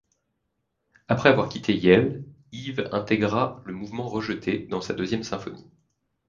Après avoir quitté Yale, Ives intégra le mouvement rejeté dans sa deuxième symphonie.